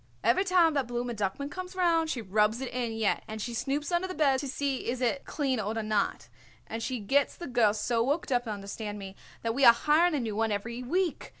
Every time that Blooma Duckman comes round she rubs it in yet, and she snoops under beds to see is it clean oder not, and she gets the girl so worked up, understand me, that we are hiring a new one every week.